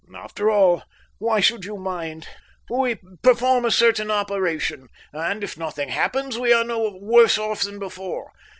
"After all, why should you mind? We perform a certain operation, and if nothing happens we are no worse off then before.